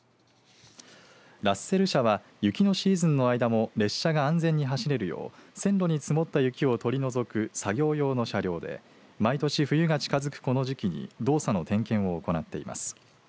ラッセル車は雪のシーズンの間も列車が安全に走れるよう線路に積もった雪を取り除く作業用の車両で毎年、冬が近づくこの時期に動作の点検を行っています。